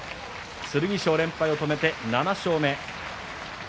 剣翔、連敗を止めて７勝目。